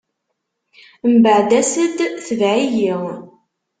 Mbeɛd as-d, tebɛ-iyi.